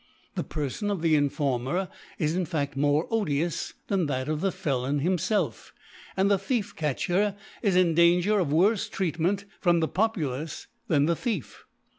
The Perfon of the Informer is in Faft more odious than that of the Felon himfelf; and the Thief catcher is in Danger of worfr Treatment from the Populace than the Thief.